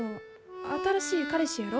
新しい彼氏やろ？